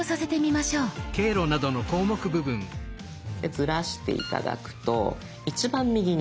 ずらして頂くと一番右に。